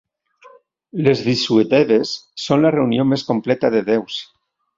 Les visuedeves són la reunió més completa de déus.